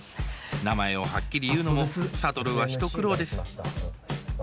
名前をはっきり言うのも諭は一苦労です。